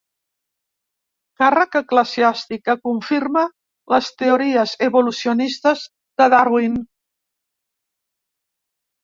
Càrrec eclesiàstic que confirma les teories evolucionistes de Darwin.